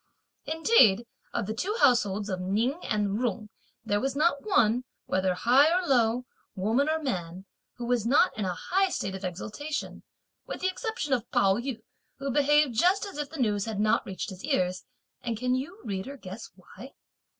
Indeed, of the two households of Ning and Jung, there was not one, whether high or low, woman or man, who was not in a high state of exultation, with the exception of Pao yü, who behaved just as if the news had not reached his ears; and can you, reader, guess why?